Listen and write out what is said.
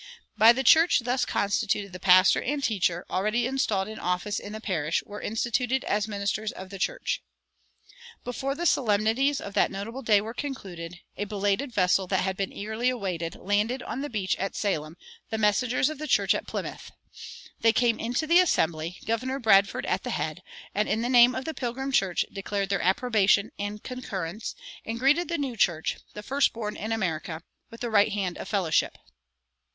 By the church thus constituted the pastor and teacher, already installed in office in the parish, were instituted as ministers of the church.[96:1] Before the solemnities of that notable day were concluded, a belated vessel that had been eagerly awaited landed on the beach at Salem the "messengers of the church at Plymouth." They came into the assembly, Governor Bradford at the head, and in the name of the Pilgrim church declared their "approbation and concurrence," and greeted the new church, the first born in America, with "the right hand of fellowship."